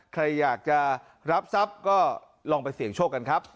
ใครอยากจะรับทรัพย์ก็ลองไปเสี่ยงโชคกันครับ